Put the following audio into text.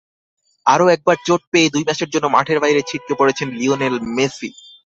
আরও একবার চোট পেয়ে দুই মাসের জন্য মাঠের বাইরে ছিটকে পড়েছেন লিওনেল মেসি।